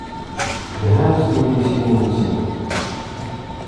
Lhant tullisin-nsen.